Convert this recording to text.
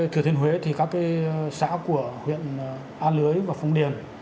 thứa thiên huế thì các cái xã của huyện a lưới và phong điền